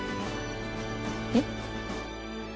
えっ？